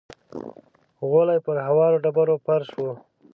غولی پر هوارو ډبرو فرش و.